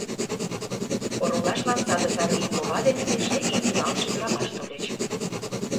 Оролашлан саде Сарвий кова ден эше ик илалше ӱдырамаш тольыч.